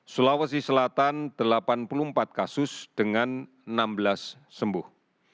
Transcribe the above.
sulawesi selatan delapan puluh empat kasus dengan enam belas sembuh